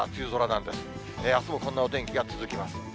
あすもこんなお天気が続きます。